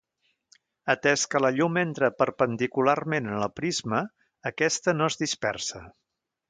Atès que la llum entra perpendicularment en el prisma aquesta no es dispersa.